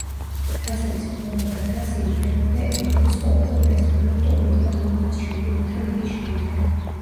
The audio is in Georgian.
თასების მფლობელთა თასი ითვლებოდა ევროპის ყველაზე პრესტიჟულ ტურნირად უეფა-ს ჩემპიონთა ლიგის შემდეგ.